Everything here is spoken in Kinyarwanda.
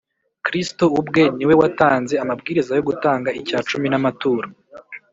kristo ubwe ni we watanze amabwiriza yo gutanga icya cumi n’amaturo